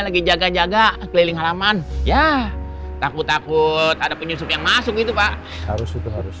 lagi jaga jaga keliling halaman ya takut takut ada penyusup yang masuk itu pak harus itu harus